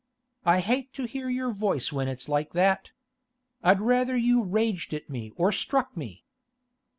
I hate to hear your voice when it's like that! I'd rather you raged at me or struck me!